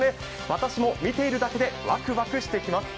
私も見ているだけでわくわくしてきます。